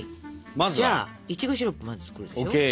じゃあいちごシロップをまず作るでしょ？ＯＫ。